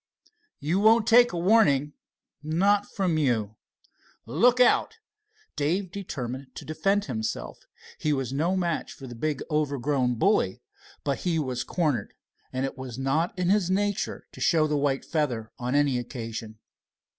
"You won't take a warning." "Not from you." "Look out!" Dave determined to defend himself. He was no match for the big overgrown bully, but he was cornered, and it was not in his nature to show the white feather on any occasion.